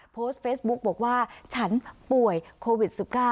โพสต์เฟซบุ๊กบอกว่าฉันป่วยโควิด๑๙